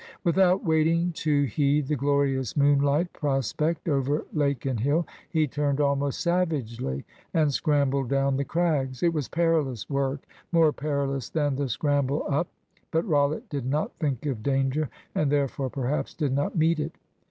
Without waiting to heed the glorious moonlight prospect over lake and hill, he turned almost savagely, and scrambled down the crags. It was perilous work more perilous than the scramble up. But Rollitt did not think of danger, and therefore perhaps did not meet it.